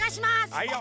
はいよ！